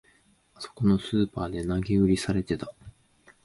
あそこのスーパーで投げ売りされてた